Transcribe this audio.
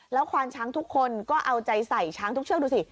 แล้วควานช้างทุกคนก็เอาใจใส่ช้างทุกเชือกดูสิ